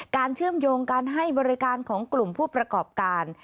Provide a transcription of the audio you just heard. เชื่อมโยงการให้บริการของกลุ่มผู้ประกอบการ